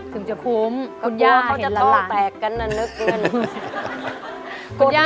คุณย่าเขาจะต้องแตกกันน่ะนึกนึก